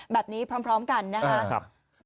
แบบนี้พร้อมกันนะครับ